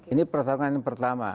ini pertarungan yang pertama